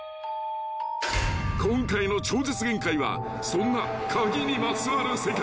［今回の『超絶限界』はそんな鍵にまつわる世界］